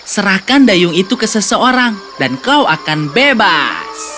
serahkan dayung itu ke seseorang dan kau akan bebas